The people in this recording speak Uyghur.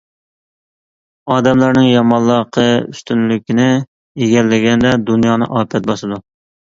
ئادەملەرنىڭ يامانلىقى ئۈستۈنلۈكنى ئىگىلىگەندە دۇنيانى ئاپەت باسىدۇ.